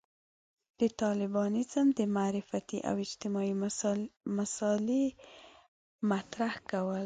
د طالبانيزم د معرفتي او اجتماعي مسألې مطرح کول.